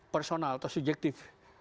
personal atau subjektif